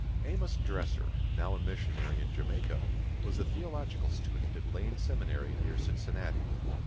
Amos Dresser, now a missionary in Jamaica, was a theological student at Lane Seminary, near Cincinnati.